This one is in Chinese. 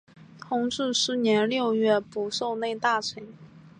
同治十年六月补授内大臣。